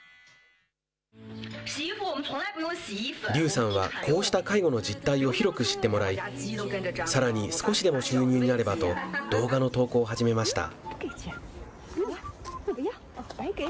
劉さんはこうした介護の実態を広く知ってもらい、さらに少しでも収入になればと動画の投稿を始めました。